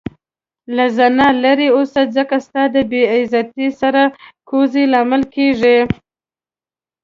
له زنا لرې اوسه ځکه ستا د بی عزتي سر کوزي لامل کيږې